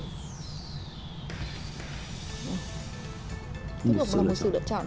tiếp tục là một sự lựa chọn